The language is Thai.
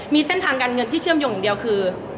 มีเส้นทางการเงินที่เชื่อมโยงอย่างเดียวคือ